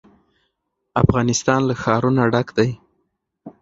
افغانستان له ښارونه ډک دی.